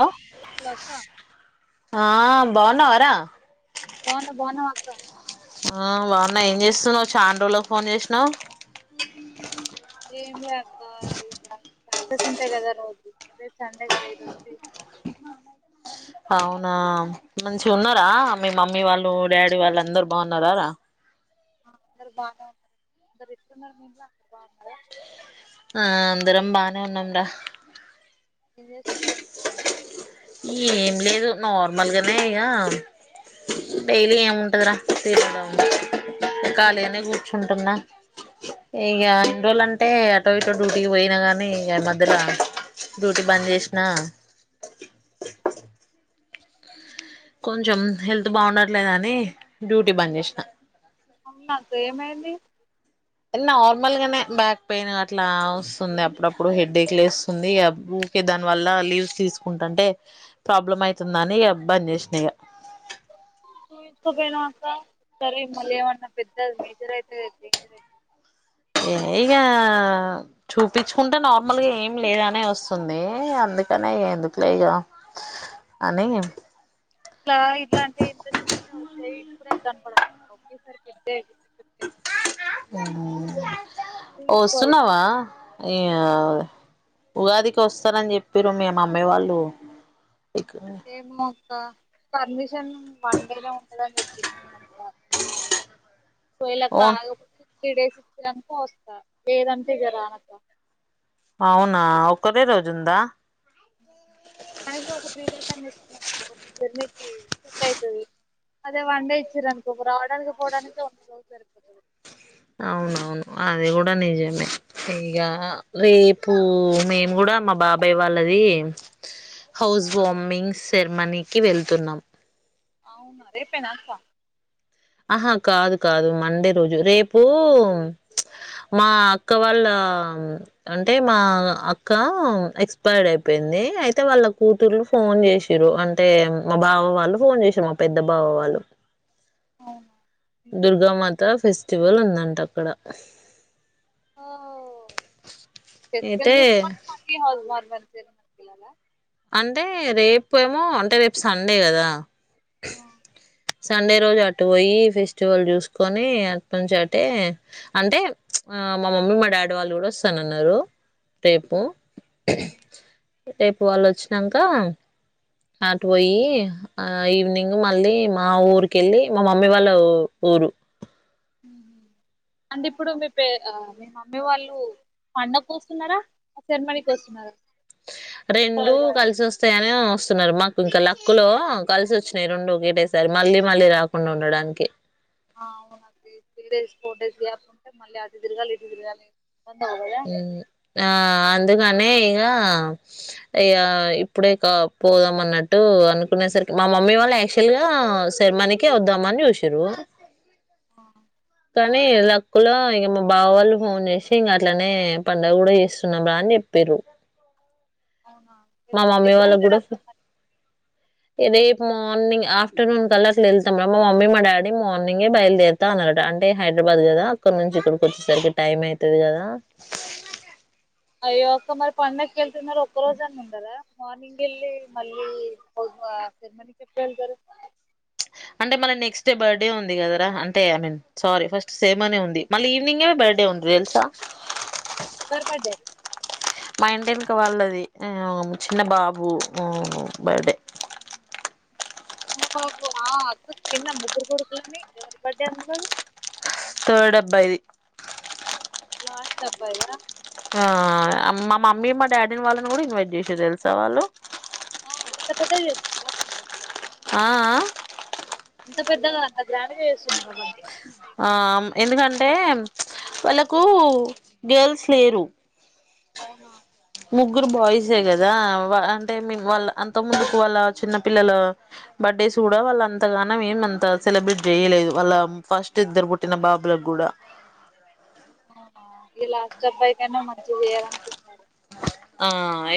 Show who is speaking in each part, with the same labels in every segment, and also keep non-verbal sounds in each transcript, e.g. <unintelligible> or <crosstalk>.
Speaker 1: Hello
Speaker 2: hello అక్క
Speaker 1: ఆ బాగున్నావా రా
Speaker 2: బావున్నా బావున్నావా అక్క
Speaker 1: ఆ బాగున్నా ఏం చేస్తున్నావు చానా రోజులకు ఫోన్ చేసినావ్
Speaker 2: ఏం లే అక్క టాస్కులు ఉంటాయి కదా రోజు రేపు సండే కదా ఈరోజు చేస్తున్న
Speaker 1: అవునా మంచి ఉన్నారా మీ మమ్మీ వాళ్ళు డాడీ వాళ్ళు అందరు బాగున్నారా రా
Speaker 2: అందరు బాగాన్నారు అందరు ఇస్తున్నారు మీరు అందరు బాగున్నారు
Speaker 1: ఆ అందరం బానే ఉన్నాంరా
Speaker 2: ఏజెసుర్కా
Speaker 1: యేమ్ లేదు నార్మల్గానే ఇయా డైలీ ఏముంటదరా తినడం ఓ ఖాళీగనే కూర్చుంటున్నా ఇగా ఇన్ రోల్ అంటే ఆటో ఇటో డ్యూటీక్ బోయినగాన్ కానీ ఇగా మధ్యలా డ్యూటీ బాజ్ జేశనా. కొంచెం హెల్త్ బాగుండట్లేదు అని డ్యూటీ బాజ్ జేశనా.
Speaker 2: అవునక్ ఏమైంది.
Speaker 1: నార్మల్గానే బ్యాక్ పెయిన్ అట్లా వసుంది. అప్పుడప్పుడు హెడేక్ లేసుంది. అబ్బు కే దాన్ వల్ల లీవ్స్ తీసుకుంటంటే ప్రాబ్లం అయితుందని ఇగా బజ్ జేశనా ఇగా.
Speaker 2: చూయిచ్చుకోపోయినవ్ అక్క సరే మలేవానా పెద్ దద్ మేజరైతే డేంజరైత్
Speaker 1: ఏ ఇగా చూపించుకుంటే నార్మల్గా ఏం లేద్ అనే వసుంది. అందుకనే ఏ ఎందుకులే ఇగా అని
Speaker 2: ఇట్లా ఇట్లా అంటే ఎంత చిన్న వొచ్చేయ్ ఇప్పుడే గణపడవ్ ఒకేసారి పెద్దయ్ చోటేయ్
Speaker 1: ఓ
Speaker 2: చూయించుకోవాలి
Speaker 1: వసున్నావా ఇయాద్ ఉగాదికి వస్తరన్ జేపిరు. మీ మా మమ్మీ వాళ్ళు
Speaker 2: ఏమో కా పర్మిషన్ వన్ డే లో ఉండదని జేపిరు మన గూడా సారు. క్వెలా కాగాపోతే త్రీ డేస్ ఇచ్చిరనుకో వస్తా లేదంటే ఇగా రానక్కా.
Speaker 1: అవునా ఒకరే రోజు ఉందా.
Speaker 2: సాయంత్రం ఒక త్రీ డేస్ అన్ జేపిండనుకో జర్మీకి సెట్ అయితది. అదే వన్ డే ఇచ్చిరనుకో రావడానికి, పోవడాకే ఓండాలో జరిపోతాది.
Speaker 1: అవునవును అది కూడా నిజమే ఇగా రేపు మేమ్ గూడా కా మా బాబాయ్ వాళ్ళది. హౌస్ ఓమింగ్ సెర్మానిక్ వెళ్తున్నాం.
Speaker 2: అవునా రేపే నాక్కా
Speaker 1: ఆహా కాదు, కాదు మండే రోజు రేపు మా అక్క వాళ్ళా అంటే మా అక్క ఎక్సపైడ్ అయిపేయ్ ఇంది. అయితే వాళ్ళ కూతుర్లు ఫోన్ జెచ్చిరు. అంటే మా బావ వాళ్ళు ఫోన్ జెచ్చిర్ మా పెద్ద బావ వాళ్ళు.
Speaker 2: అవునా ఎందుకు
Speaker 1: దుర్గామాతా ఫెస్టివల్ ఉందంట అక్కడ
Speaker 2: ఓహో ఫెస్టివల్
Speaker 1: అయితే
Speaker 2: జుసుకొని మళ్ళీ హౌజ్ మర్ ఫంచేర్ ఏళ్ళలా
Speaker 1: అంటే రేప్ ఏవమో అంటే రేపు సండే గాదా.
Speaker 2: ఆ
Speaker 1: సండే రోజు అటు వోయి. ఫెస్టివల్ జుసుకొని అట్ నుంచి అంటే ఆ మా మమ్మీ మా డాడీ వాళ్ళు కూడా వసనన్నారు.
Speaker 2: ఆ,
Speaker 1: దేపు రేపు వాళ్ళు వచ్చినాకా నాటు బోయి ఆ ఈవినింగ్ మళ్ళీ మా ఊర్ కేళ్ళి మా మమ్మీ వాళ్ళ ఊ ఊరు.
Speaker 2: ఉహు్ అంటే ఇప్పుడు మీ పే ఆ మీ మమ్మీ వాళ్ళు పండక్ వస్తున్నారా, ఆ సేర్మనీక్ వసున్నారా.
Speaker 1: రెండు కల్స్ వస్తయానే వసున్నారు మాక్ ఇంకా లక్కులో కలిసి వచ్చినాయి. రెండు ఒకటేసారి మళ్ళీ మళ్ళీ రాకుండా ఉండడానికి
Speaker 2: ఆ అవునండి. Three days four days gap ఉంటే మళ్ళీ అటు దిరగాల్ ఇటు దిరగాలి.
Speaker 1: ఉహ్ ఆ అందుకనే ఇగా కా ఇగా ఇప్పుడే కా పోదాం అన్నట్టు అనుకునేసరికి మా మమ్మీ వాళ్ళే. యాక్చువల్ గా శర్మానికే వద్దామని చూసిారు
Speaker 2: ఆ!
Speaker 1: కానీ లక్కలో ఇంక మా బాబ వాళ్ళు ఫోన్ చేసి ఇంకా ఇట్లానే పండుగ కూడా చేస్తున్నాం్రా అని చెప్పారు
Speaker 2: అవునా
Speaker 1: మా
Speaker 2: వెళ్తురు
Speaker 1: మమ్మీ
Speaker 2: ఎప్పుడు
Speaker 1: వాళ్ళకి
Speaker 2: వెళ్తారు
Speaker 1: కూడా
Speaker 2: అక్క మరి
Speaker 1: రేపు మార్నింగ్ ఆఫ్ర్ ఆఫటర్ూ కల్లా అట్లా వెళ్తాం మడం మా మమ్మీ మా డాడీ మార్నింగే బయలుదేతా అనట అంటేైదరాబాద్ కదా అక్కడ నుంచి కి వచ్చేసరికి టైమ్ అవుతుది కదా
Speaker 2: అయోక మరి పండగకు వెళ్తున్నారు ఒక్క రోజు అన్న ఉండరాా మార్నింగ్ వెళ్ళి మళ్ళీ ఫ మ చెప్ప జరు
Speaker 1: అంటే మళీ నెక్స్ డ బర్త్డే ఉంది కదా అంటే I mean sorry first same అనే ఉంది మళ్ళీ ఈవినింగ్ే బర్త్డే ఉ తెల్సా
Speaker 2: బర్బద
Speaker 1: మా ఇంటి ఇకి వాళ్ళది చిన్న బాబు బర్డే
Speaker 2: బాబు అక్క ఎన్న ము్రు కొడుకులమే వరి బడే అంది కా
Speaker 1: బరి
Speaker 2: మాతబ్బార
Speaker 1: ఆ మా మమ్మీ మా డాడీని వాళ్ళని కూడా ఇన్వైట్ చేసి తెలుసా వాళ్ళు
Speaker 2: పత
Speaker 1: ఆ
Speaker 2: అంత పెద్దగా అంత గ్రాం చేస్తున్నారుాబంీ
Speaker 1: ఆ ఎందుకంటే వాళ్ళలకు గర్ల్స్ లేరు
Speaker 2: ఆఓహా
Speaker 1: ముగ్గురు బాయ్సే కదా అంటే వాళ్ళ అంత ముందుకు వాళ్ళ చిన్న పిల్లలు బర్త్డేస్ కూడా వాళ్ళ అంతగాన ఏేమంత సెలబ్రేట్ చేయలేదు వాళ్ళ ఫస్ట్ ఇద్దరు పుట్టిన బాబులకు కూడా
Speaker 2: ఆ ఈ లాస్ట్ర్ పైక అయినా మంచి చేయాలినుకుంటారు
Speaker 1: ఆ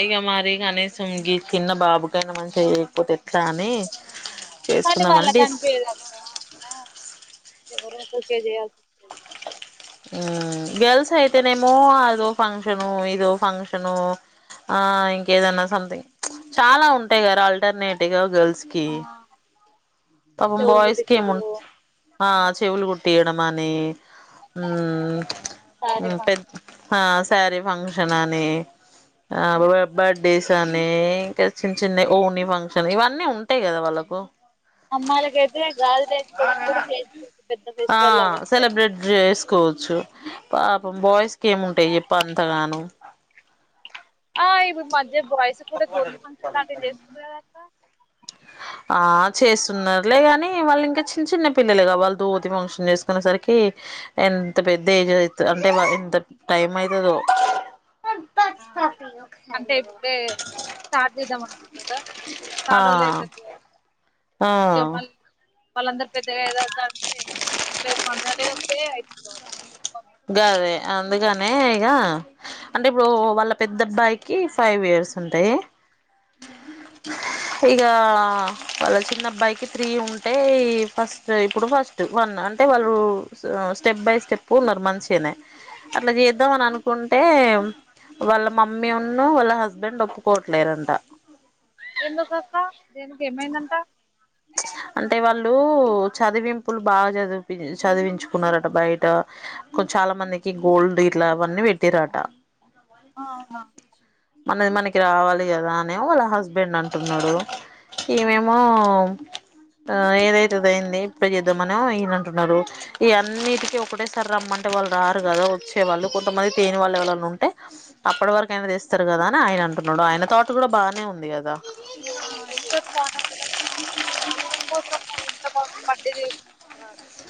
Speaker 1: ఇక మరిీ కనీసం ఈ చిిన్న బాబుకనా మన చేయకపోతే ఎట్లా అని
Speaker 2: కానీ వాళ్ళ
Speaker 1: చేసుకుందామని డిస్
Speaker 2: కనిపయేది అద్ద అయినా వరకుకేజ
Speaker 1: గర్ల్స్ అయితేనేమో అదో ఫంక్షను ఇదో ఫంక్షను ఆ ఇంకేదన్నా సంథింగ్ చాలా ఉంటాయి గారుా ఆల్టర్నేటివ్గా గర్ల్స్ స్కిే
Speaker 2: ఆ
Speaker 1: త
Speaker 2: చెవులు
Speaker 1: బయస్ కమ
Speaker 2: కుట్టించుడు
Speaker 1: చెవులుగు తీయడం అని
Speaker 2: సారీ ఫంక్షన్
Speaker 1: పెద్ద సార ఫంక్షనాని ఆ బర్త్డేస్ అని ఇంకా చిన్న చిన్న ఓని ఫంక్షన్ ఇవన్నీ ఉంటాయి కదా వాళ్ళ తకు
Speaker 2: అమ్మాయిలక అయితే గాలి తెయించుకోవడంనికి కూడా చేయించుకోవచ్చు పెద్ద ఫెస్టివల్ లాగా అంటారు
Speaker 1: తీకోవచ్చు పాప బాయ్స్ క ఏముంటాయి చెప్ప అంతగాను
Speaker 2: ఆ ఇవి మధ్య వయస కూడాడ దో త పస అ రస్
Speaker 1: ఆ చేస్తున్నారు లేగాని వాళ్ళు ఇంకా చిన్న చిన్న పిల్లలుగా వాళ్ళు దోతి ఫంక్షన్ చేసుకునే సరికి ఎంత పెద్ద ఏజ్ అవు అంటే ఎంత టైం అవుతుందో
Speaker 2: ఆ,
Speaker 1: పచ్స్తపీ
Speaker 2: అంటే ఇప్పుడే స్టార్ట్ చేద్దాం అనుకుంటారా ఇప్పుడు
Speaker 1: ఆ
Speaker 2: చాలా రోజులు అయితుంది
Speaker 1: ఆ
Speaker 2: ఇగ మళ్ళీ వాళ్ళందరు పెద్దగా ఏద అంటే ముప్పై పందలు అయితుంది కాట్
Speaker 1: దే అందుకనే ఇక అంటే ఇప్పుడు వాళ్ళ పెద్ద అబ్బాయికి ఫైవ్ ఇయర్స్ <unintelligible> ఇక వాళ్ళ చిన్నబ్బాయికి త్రీ ఉంటే ఫస్ట్ ఇప్పుడు ఫస్ట్ వన్ అంటే వాళ్ళు స్టెప్ బై స్టెప్ మంచినే అట్లా చేద్దాం అని అనుకుంటే వాళ్ళ మమ్మీ ఉన్న వాళ్ళ హస్బెండ్ ఓపుకోవట్ల
Speaker 2: ఎందుక వస్తా దేనికి ఏమైందంట
Speaker 1: అంటే వాళ్ళు చదివింపులు బాగా చది చదివించుకున్నారట బయట కొం చాలా మందికి గోల్డ్ ఇట్లా అవన్నీ పెట్టరాట
Speaker 2: అవునా
Speaker 1: మనది మనకి రావాలి కదా అనే వాళ్ళ హస్బెండ్ అంటున్నాడు
Speaker 2: ఉమ్
Speaker 1: ఈమేమో ఆ ఏదైతేద అయింది ఇప్పుడు చేద్దామని అంటూనంటున్నారు ఈ అన్నిటికీ ఒకటే సారి రమ్మంటే వాళ్ళు రారు కదా వచ్చే వాళ్ళు కొంతమంది తేన వాళ్ళు ఎవన్నా ఉంటే అప్పటి వరకు అయినా తెస్తారు కదా అని ఆయన అంటున్నారు డు ఆయన తాట్ కూడా బాగానే ఉంది కదా
Speaker 2: బాగునే ఉంది కానీ ఇప్పుడు వాళ్ళెవరి కోసము ఇంత బాబు బర్డీ చేయకుండాంటారా అ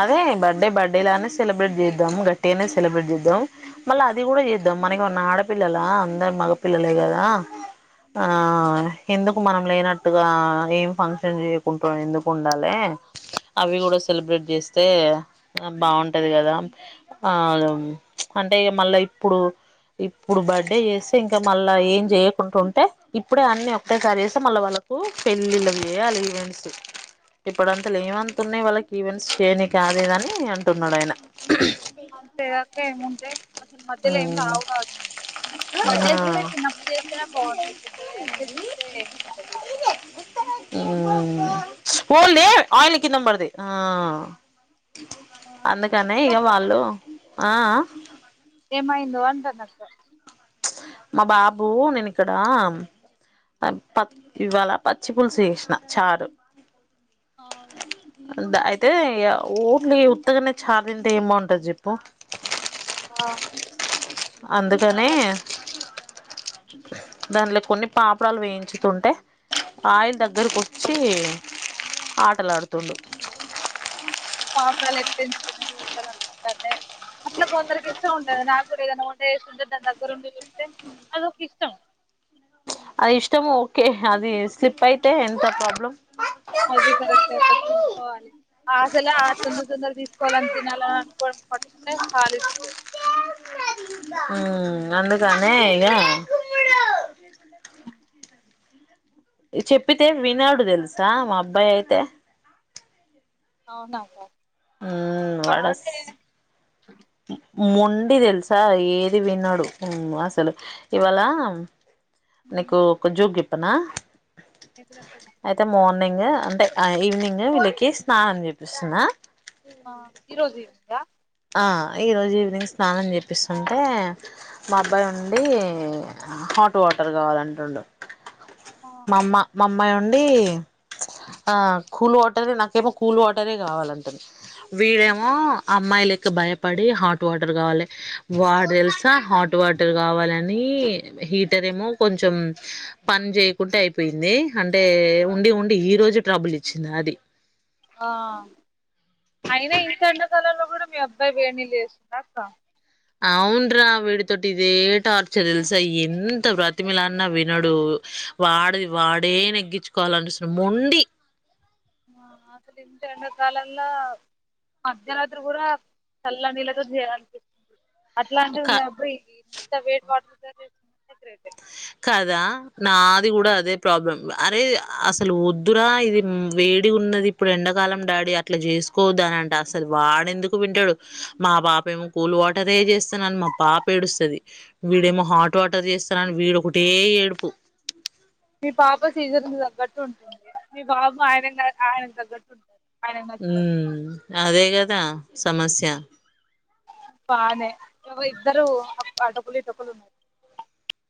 Speaker 1: అదే బర్త్డే బర్త్డే లానే సెలబ్రేట్ చేద్దాం గట్టి అనే సెలబ్రేట్ చేద్దాం మళ్ళీ అది కూడా ఇద్ద మనకి ఉన్న ఆడపిల్లలా అందరు మగ పిల్లలే కదా ఆ ఎందుకు మనం లేనట్టుగా ఏం ఫంక్షన్ చేయకుంటు ఎందుకు ఉండాలి అవి కూడా సెలబ్రేట్ చేస్తే బాగుంటది కదా ఆ అంటే ఇక మళ్ళా ఇప్పుడు ఇప్పుడు బర్త్డే చేస్తే ఇంకా మళ్ళా ఏం చేయకుంంటడా ఉంటే ఇప్పుడే అన్నిీ ఒకటేసారి చేస్తే మళ్ళా వాళ్ళ కు పెళ్ళిళ్ళ చేయాలి ఈవెంట్స్ ఇప్పుడు అంతలో
Speaker 2: ఆ,
Speaker 1: ఏమంతతు ఉన్నాయి వాళ్ళకి ఈవెంట్స్ చేయని కాదుదని అంటున్నాడు ఆయన
Speaker 2: అంతేకాక ఏముంటేయి అసలు మధ్యలో ఏం రావు కావచ్చు క బర్డేస్ కూడా
Speaker 1: ఆ
Speaker 2: చిన్నప్పుడు చేస్తేనే బాగుంటాయి పెద్ద అయ్యాక ఏంటంది
Speaker 1: పోఓల్దే ఆయిల్ కిందం పడది ఆ
Speaker 2: ఆ
Speaker 1: అందుకనే ఇక
Speaker 2: ఏమైందక్క
Speaker 1: వాళ్ళు ఆ
Speaker 2: ఏమైంది అంటూనా
Speaker 1: మా బాబు నేను ఇక్కడ ప ఇవాళ పచ్చి పులుసు చేసిన చారు
Speaker 2: అవునా
Speaker 1: అయితే అయితే ఉత్తగానే చార్ తింటే ఏ బాగుంటది జప్పు
Speaker 2: ఆ
Speaker 1: అందుకనే దానిలో కొన్ని పాపరాలు వేయించుతుంటే ఆయిల్ దగ్గరకు వచ్చి ఆటలాడుతుడు
Speaker 2: పాపలు చూడాలనుకుంటారనేమో అట్లా కొందరికి ఇష్టం ఉంటంది నాకు గుడి ఏద ఉండే సందర్ దాని దగ్గరుండి చూస్తే అదక ఇష్టం
Speaker 1: అది ఇష్టము ఓకే అది స్లిప్ అయితే ఎంత ప్రాబ్లం
Speaker 2: అది కరెక్ట్ చూసుకోవాలి ఆసలే ఆ తొందర తొందరలు తీసుకోవాలని తినాలని అనుకోవడం పట్టుకుంటే చాల ఇ
Speaker 1: ఉ అందుకనేే ఇద చెప్పితే వినాడు తెలుసా మా అబ్బాయి అయితే
Speaker 2: అవునా
Speaker 1: ఉ వడస్
Speaker 2: బానే
Speaker 1: మొండి తెలుసా ఏది విన్నాడు అసలు ఇవాళ నీకు ఒక జోక్ చెపన
Speaker 2: ఎప్పుడు వస్తావ్
Speaker 1: మార్నింగ్ అంటే ఈవినింగ్ వీళ్ళకి స్నానం చేపిస్తున్నా
Speaker 2: ఆ ఈ రోజు ఏ ఉందా
Speaker 1: ఈరోజు ఈవినింగ్ స్నానం చేపిస్తుంటే మా అబ్బాయి ఉండి హాట్ వాటర్ కావాలంటుండు
Speaker 2: ఆ
Speaker 1: మా అమ్మ మా అమ్మాయి ఉండి ఆ కూల్ వాటర్ నాకేమో కూల్ వాటరే కావాలంటంది
Speaker 2: ఉమ్,
Speaker 1: వీడేమో అమ్మాయిల ఇంకా భయపడి హాట్ వాటర్ కావాలి వాడు తెలుసా హాట్ వాటర్ కావాలని హీటర్ ఏమో కొంచెం పని చేయకుంటే అయిపోయింది అంటే
Speaker 2: ఆ.
Speaker 1: ఉండి ఉండి ఈ రోజు ట్రబుల్ ఇచ్చింది అది
Speaker 2: హా అయినా ఇంత ఎండాకాలంలో కూడా మీ అబ్బాయి వేడి నీళ్లు చేస్తుండ అక్క
Speaker 1: అవున్రా విడితొటిఈదే టార్చర్ ఎల్సా ఎంత బతిమిలాడీన్న వినడు వాడది వాడే నెగ్గించుకోవాలని చూస్తుండు మొండి
Speaker 2: అసలు గీత ఎండాకాలంలో మధ్యరాత్రి కూడా చల్ల నీళ్ళతో చేయలనిపిస్తుంది అట్లాంటివి
Speaker 1: క
Speaker 2: మీ అప్పుడు ఇంత వెయిట్ వాటర్
Speaker 1: కదా నాది కూడా అదే ప్రాబ్లం అరే అసలు వద్దురా ఇది వేడి ఉన్నది ఇప్పుడు ఎండాకాలం డాడీ అట్లా చేసుకోవద్దా అని అంటే అసలు వాడెందుకు వింటాడు మా మా పాప ఏమో కూల్ వాటరే చేస్తానని మా పాప ఏడుస్తుంది వీడేమో హాట్ వాటర్ చేస్తన్నానని ఒక్కటే ఏడుపు
Speaker 2: మీ పాప సీజన్ కు తగ్గట్టు ఉంటుంది మీ బాబు ఆయన ఆయనకు తగ్గట్టు ఉంటుంది
Speaker 1: హ అదే కదా సమస్య
Speaker 2: బానే ఇద్దరు అటు ఒక్కరు ఇటు ఒక్కరు ఉన్నారు